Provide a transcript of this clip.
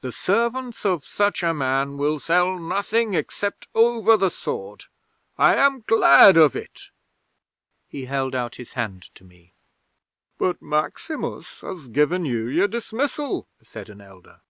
"The servants of such a man will sell nothing except over the sword. I am glad of it." He held out his hand to me. '"But Maximus has given you your dismissal," said an elder.